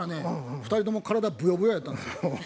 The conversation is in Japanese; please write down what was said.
２人とも体ブヨブヨやったんですよ。